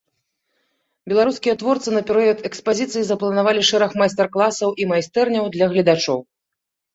Беларускія творцы на перыяд экспазіцыі запланавалі шэраг майстар-класаў і майстэрняў для гледачоў.